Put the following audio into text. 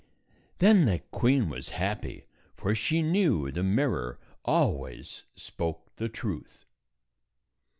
Then the queen was happy, for she knew the mirror always spoke the truth.